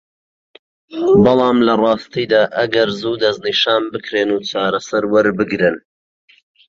بەڵام لە راستیدا ئەگەر زوو دەستنیشان بکرێن و چارەسەر وەربگرن